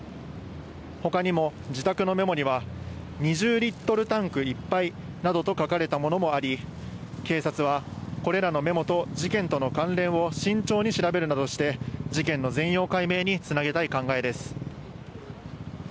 ほかにも自宅のメモには、２０リットルタンクいっぱいなどと書かれたものもあり、警察はこれらのメモと事件との関連を慎重に調べるなどして、事件の全容解明につなげたい考えです。